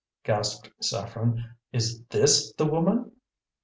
gasped Saffren. "Is THIS the woman?"